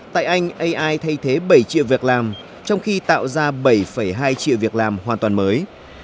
tại anh ai thay thế bảy triệu việc làm trong khi tạo ra bảy hai triệu việc làm hoàn toàn mới